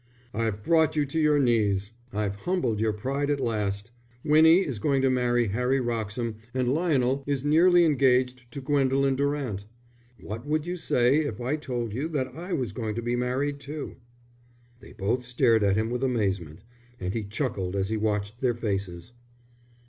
"I've brought you to your knees; I've humbled your pride at last. Winnie is going to marry Harry Wroxham and Lionel is nearly engaged to Gwendolen Durant. What would you say if I told you that I was going to be married too?" They both stared at him with amazement, and he chuckled as he watched their faces.